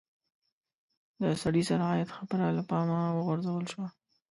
د سړي سر عاید خبره له پامه وغورځول شوه.